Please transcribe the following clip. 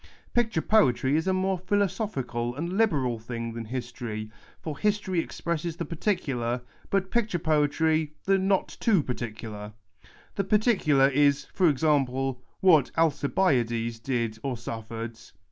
..." Picture poetry is a more philosophical and liberal thing than history ; for history expresses the particular, but picture poetry the not too parti cular. The particular is, for example, what Alci biades did or suffered.